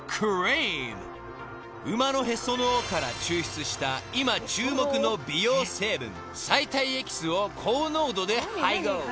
［馬のへその緒から抽出した今注目の美容成分サイタイエキスを高濃度で配合］